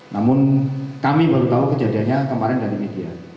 namun kami baru tahu kejadiannya kemarin dari media